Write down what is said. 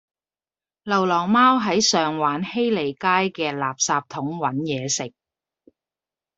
流浪貓喺上環禧利街嘅垃圾桶搵野食